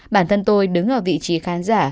bản thân tôi đứng ở vị trí khán giả